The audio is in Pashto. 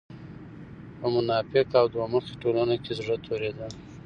په منافقه او دوه مخې ټولنه کې زړۀ توريدل